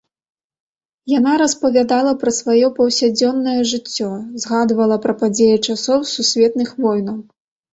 Яна распавядала пра сваё паўсядзённае жыццё, згадвала пра падзеі часоў сусветных войнаў.